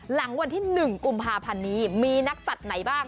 หลังวันที่๑กุมภาพันธ์นี้มีนักสัตว์ไหนบ้าง